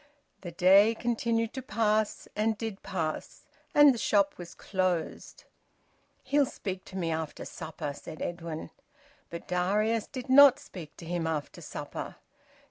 The day continued to pass, and did pass. And the shop was closed. "He'll speak to me after supper," said Edwin. But Darius did not speak to him after supper.